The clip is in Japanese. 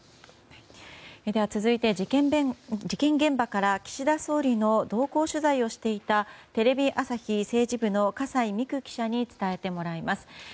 では続いて事件現場から岸田総理の同行取材をしていたテレビ朝日政治部の笠井美来記者に伝えてもらいます。